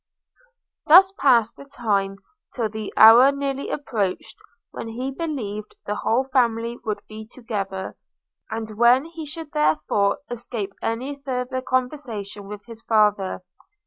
Thus passed the time till the hour nearly approached when he believed the whole family would be together, and when he should therefore escape any farther conversation with his father.